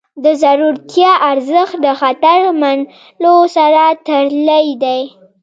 د زړورتیا ارزښت د خطر منلو سره تړلی دی.